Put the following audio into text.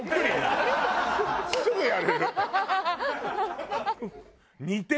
すぐやれる。